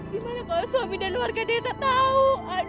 gimana kalau suami dan warga desa tahu